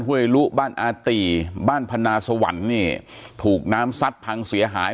้วยลุบ้านอาตีบ้านพนาสวรรค์เนี่ยถูกน้ำซัดพังเสียหาย